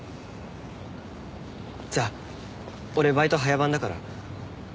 じゃあ俺バイト早番だから。